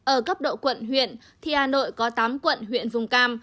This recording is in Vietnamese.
ở cấp độ quận huyện thì hà nội có tám quận huyện vùng cam